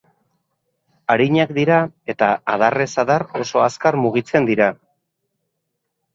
Arinak dira eta adarrez-adar oso azkar mugitzen dira.